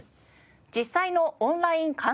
実際のオンライン館